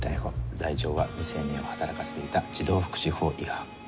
罪状は未成年を働かせていた児童福祉法違反。